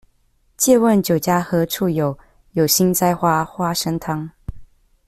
借問酒家何處有，有心栽花花生湯